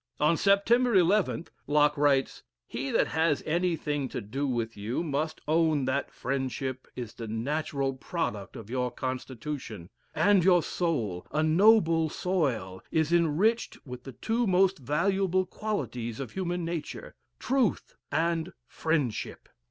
On Sept. 11th, Locke writes: "He that has anything to do with you, must own that friendship is the natural product of your constitution, and your soul, a noble soil, is enriched with the two most valuable qualities of human nature truth and friendship.